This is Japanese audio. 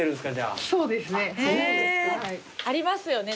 ありますよね